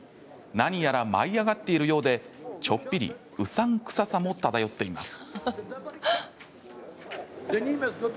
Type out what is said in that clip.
何やら舞い上がっているようでちょっぴりうさんくささも漂っています。